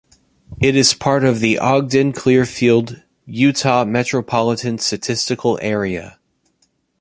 It is part of the Ogden-Clearfield, Utah Metropolitan Statistical Area.